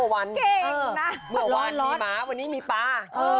เมื่อวันมีหมาวันนี้มีปลา